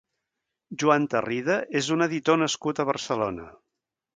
Joan Tarrida és un editor nascut a Barcelona.